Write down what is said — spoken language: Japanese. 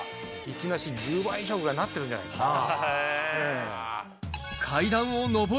いきなり１０倍以上ぐらいになってるんじゃないかな。